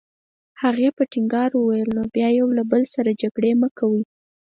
هغې په ټینګار وویل: نو بیا یو له بل سره جګړې مه کوئ.